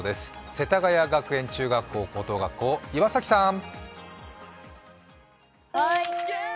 世田谷学園中学校・高等学校、岩崎さん。